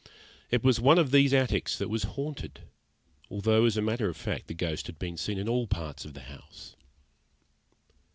It was one of these attics that was haunted, although, as a matter of fact, the ghost had been seen in all parts of the house.